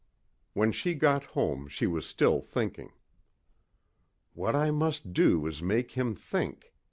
When she got home she was still thinking. "What I must do, is make him think.